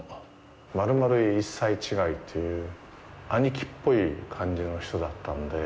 丸々１歳違いという兄貴っぽい感じの人だったんで。